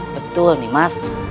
betul nih mas